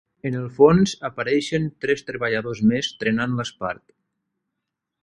En el fons apareixen tres treballadors més trenant l'espart.